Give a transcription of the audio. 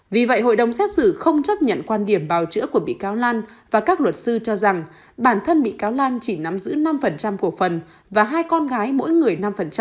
vì vậy hội đồng xét xử không chấp nhận quan điểm bào chữa của bị cáo lan và các luật sư cho rằng bản thân bị cáo lan chỉ nắm giữ năm cổ phần và hai con gái mỗi người năm